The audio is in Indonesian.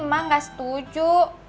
emang gak setuju